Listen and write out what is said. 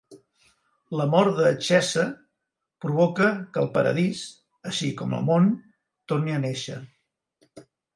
La mort de Cheza provoca que el paradís, així com el món, torni a néixer.